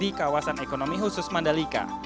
di kawasan ekonomi khusus mandalika